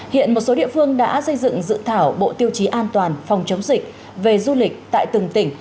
hiện một số địa phương đã xây dựng dự thảo bộ tiêu chí an toàn về du lịch tại từng tỉnh